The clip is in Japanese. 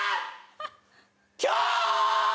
今日！